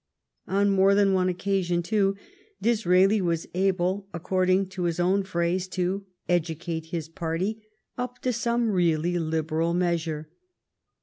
On more than one occasion, too, Disraeli was able, accord ing to his own phrase, to " educate his party " up to some really liberal measure.